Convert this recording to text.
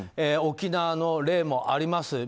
沖縄の例もあります。